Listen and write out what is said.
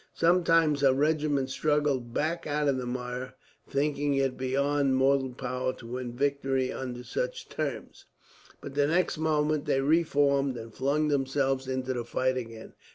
Sometimes a regiment struggled back out of the mire, thinking it beyond mortal power to win victory under such terms; but the next moment they reformed and flung themselves into the fight again.